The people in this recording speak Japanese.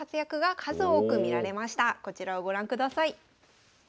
こちらをご覧ください。